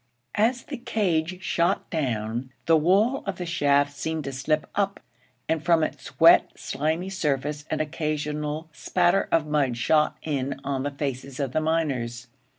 As the cage shot down, the wall of the shaft seemed to slip up, and from its wet, slimy surface an occasional spatter of mud shot in on the faces of the miners.